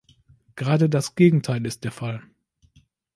Gerade das Gegenteil ist der Fall.